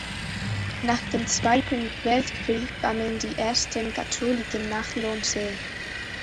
Nach dem Zweiten Weltkrieg kamen die ersten Katholiken nach Lonsee.